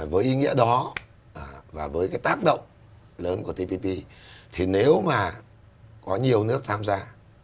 với ý nghĩa đó và với cái tác động lớn của tpp thì nếu mà có nhiều nước tham gia